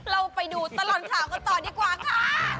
เราไปดูตลอดข่าวกันต่อดีกว่าค่ะ